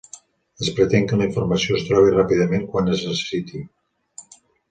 Es pretén que la informació es trobi ràpidament quan es necessiti.